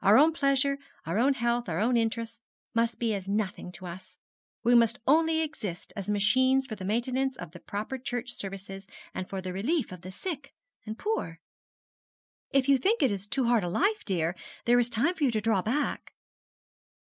Our own pleasure, our own health, our own interests, must be as nothing to us. We must only exist as machines for the maintenance of the proper church services and for the relief of the sick and poor.' 'If you think it too hard a life, dear, there is time for you to draw back!'